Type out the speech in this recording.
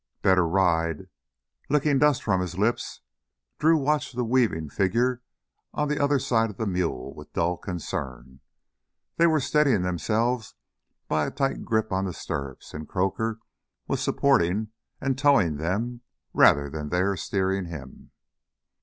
"Better ... ride...." Licking dust from his lips, Drew watched the weaving figure on the other side of the mule with dull concern. They were steadying themselves by a tight grip on the stirrups, and Croaker was supporting and towing them, rather than their steering him.